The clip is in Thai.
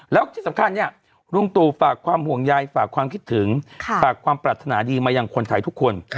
แล้วที่สำคัญเนี่ยลุงตู่ฝากความห่วงใยฝากความคิดถึงฝากความปรารถนาดีมายังคนไทยทุกคน